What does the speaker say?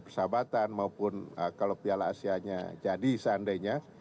persahabatan maupun kalau piala asianya jadi seandainya